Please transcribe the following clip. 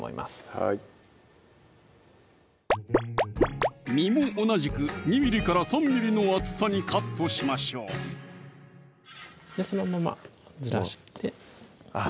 はい身も同じく２ｍｍ３ｍｍの厚さにカットしましょうそのままずらしてあっ